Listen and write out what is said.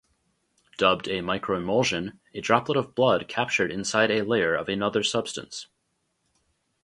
Dubbed a microemulsion, a droplet of blood captured inside a layer of another substance.